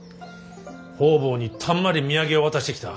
方々にたんまり土産を渡してきた。